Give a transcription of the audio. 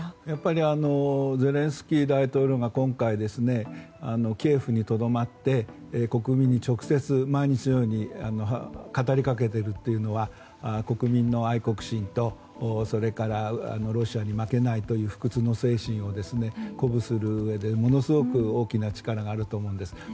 やっぱりゼレンスキー大統領が今回キエフにとどまって国民に直接、毎日のように語りかけているっていうのは国民の愛国心とそれから、ロシアに負けないという不屈の精神を鼓舞するうえでものすごく大きな力があると思うんです。